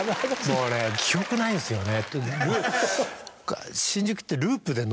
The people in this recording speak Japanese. もうね記憶ないんですよね。